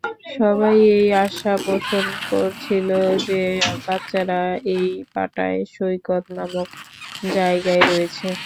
সবাই এই আশা পোষণ করছিল যে বাচ্চারা এই পাটায়া সৈকত নামক জায়গায় রয়েছে।